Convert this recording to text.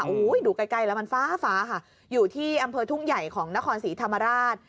โอ้โหดูใกล้แล้วมันฟ้าฟ้าค่ะอยู่ที่อำเภอทุ่งใหญ่ของนครศรีธรรมราช